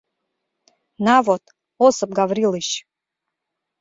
— На вот, Осып Гаврилыч!